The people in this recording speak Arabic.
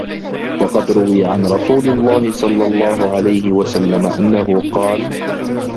وَقَدْ رُوِيَ عَنْ رَسُولِ اللَّهِ صَلَّى اللَّهُ عَلَيْهِ وَسَلَّمَ أَنَّهُ قَالَ